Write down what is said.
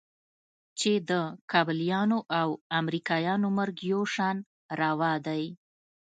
چې د کابليانو او امريکايانو مرګ يو شان روا دى.